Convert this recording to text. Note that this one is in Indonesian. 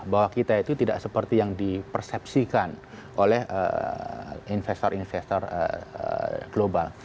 bahwa kita itu tidak seperti yang dipersepsikan oleh investor investor global